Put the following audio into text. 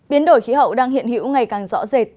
biến đổi khí hậu đang hiện hữu ngày càng rõ rệt